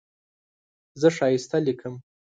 زه ښایسته لیکم.